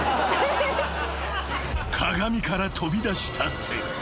［鏡から飛び出した手。